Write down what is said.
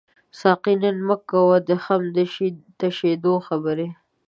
ساقي نن مه کوه د خُم د تشیدو خبري